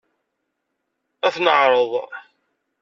Ad t-neɛreḍ.